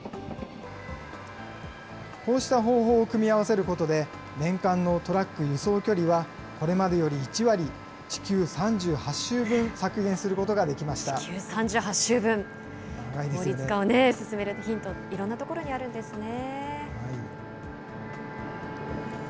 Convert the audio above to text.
こうした方法を組み合わせることで、年間のトラック輸送距離はこれまでより１割、地球３８周分削減す地球３８周分、効率化を進めるヒント、いろんなところにあるんですね。